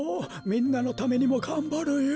みんなのためにもがんばるよ。